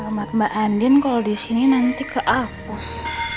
alamat mbak andin kalau disini nanti keapus